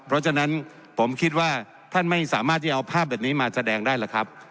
เพราะฉะนั้นผมคิดว่าท่านไม่สามารถที่เอาภาพแบบนี้มาแสดงได้หรอกครับ